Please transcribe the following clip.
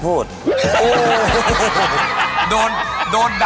พูดหน่อย